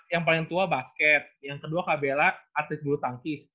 yang paling tua basket yang kedua kabella atlet bulu tangkis